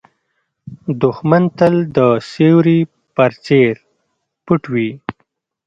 دښمن تل د سیوري په څېر پټ وي